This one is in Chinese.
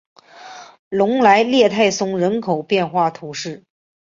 隆莱勒泰松人口变化图示